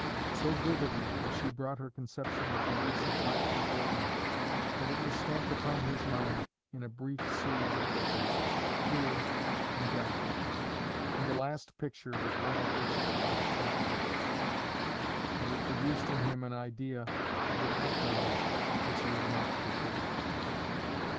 So vividly had she brought her conception of the use of life before him that it was stamped upon his mind in a brief series of pictures, clear, indelible; and the last picture was one of which he could not think clearly, but it produced in him an idea of the after life which he had not before.